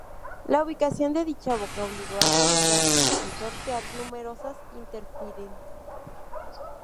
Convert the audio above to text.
La ubicación de dicha boca obligó a reubicar y sortear numerosas interferencias.